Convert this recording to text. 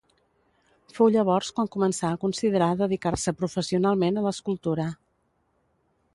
Fou llavors quan començà a considerar dedicar-se professionalment a l'escultura.